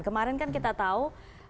kemarin kan kita tahu